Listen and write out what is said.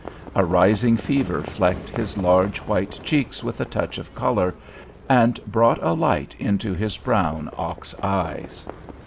A rising fever flecked his large, white cheeks with a touch of colour, and brought a light into his brown ox eyes.